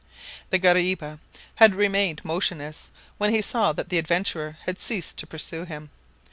The guariba had remained motionless when he saw that the adventurer had ceased to pursue him.